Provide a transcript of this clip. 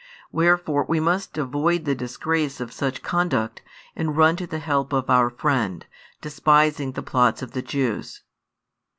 Wherefore we must avoid the disgrace of such conduct, and run to the help of our friend, despising the plots of the Jews."